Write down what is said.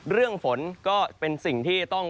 เรื่องฝนก็เป็นสิ่งที่ต้อง